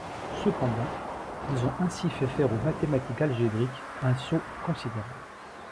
Cependant, ils ont ainsi fait faire aux mathématiques algébriques un saut considérable.